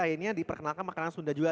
akhirnya diperkenalkan makanan sunda juga